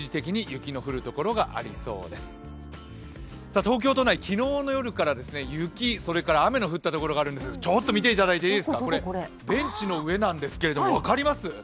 東京都内、昨日の夜、雪、雨の降った所があるんですが、ちょっと見ていただいていいですか、これ、ベンチの上なんですけれども分かります？